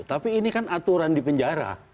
tapi ini kan aturan di penjara